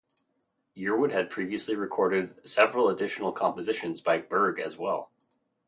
Yearwood had previously recorded several additional compositions by Berg as well.